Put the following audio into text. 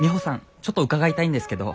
ちょっと伺いたいんですけど。